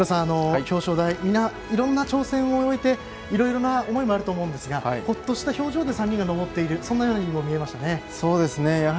表彰台、いろいろな挑戦を終えていろいろな思いもあると思いますがほっとした表情で３人が上っているようにも見えましたね。